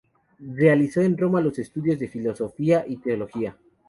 Realizó en Roma los estudios de filosofía y de teología.